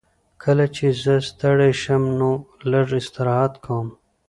کله چې زه ستړی شم نو لږ استراحت کوم.